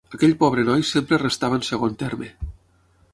Aquell pobre noi sempre restava en segon terme.